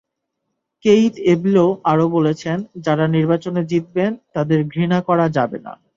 Keith এব্লো আরও বলেছেন, যাঁরা নির্বাচনে জিতবেন, তাঁদের ঘৃণা করা যাবে না।